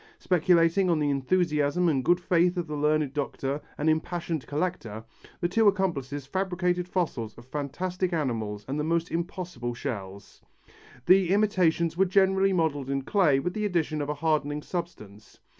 Speculating on the enthusiasm and good faith of the learned doctor and impassioned collector, the two accomplices fabricated fossils of fantastic animals and the most impossible shells. The imitations were generally modelled in clay with the addition of a hardening substance.